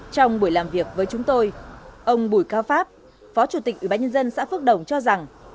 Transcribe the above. trong buổi làm việc với chúng tôi ông bùi cao pháp phó chủ tịch ủy ban nhân dân xã phước đồng cho rằng